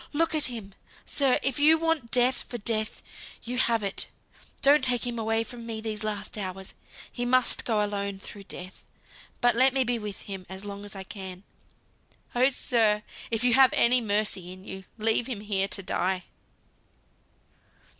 Look at him, sir. If you want Death for Death, you have it. Don't take him away from me these last hours. He must go alone through Death, but let me be with him as long as I can. Oh, sir! if you have any mercy in you, leave him here to die."